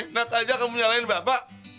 enak aja kamu nyalahin bapak